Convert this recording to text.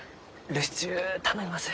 留守中頼みます。